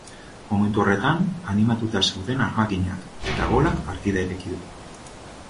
Momentu horretan, animatuta zeuden armaginak, eta golak partida ireki du.